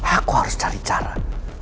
aku harus cari cara